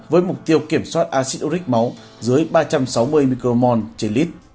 với mục tiêu kiểm soát acid uric máu dưới ba trăm sáu mươi micromont trên lít